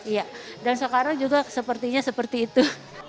iya dan sekarang juga sepertinya seperti itu